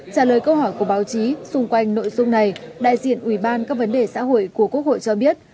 trả lời câu hỏi của báo chí xung quanh nội dung này đại diện ủy ban các vấn đề xã hội của quốc hội cho biết